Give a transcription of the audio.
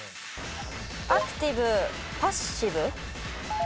アクティブパッシブ？